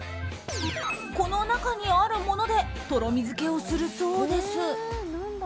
この中に、あるものでとろみづけをするそうです。